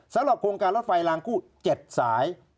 สำหรับโครงการรถไฟลางคู่๗สาย